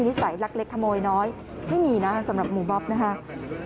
นิสัยลักเล็กขโมยน้อยไม่มีนะสำหรับหมู่บ๊อบนะครับ